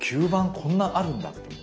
こんなあるんだっていう。